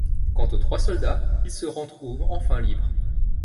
Quant aux trois soldats, ils se retrouvent enfin libres.